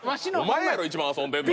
お前やろいちばん遊んでんの。